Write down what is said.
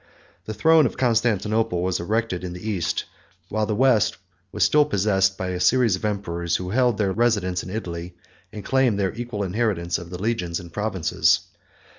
The throne of Constantinople was erected in the East; while the West was still possessed by a series of emperors who held their residence in Italy, and claimed their equal inheritance of the legions and provinces.